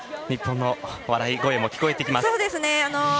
日本選手の笑い声も聞こえてきます。